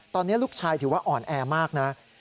ตอนนี้ลูกชายถือว่าอ่อนแอมากนะ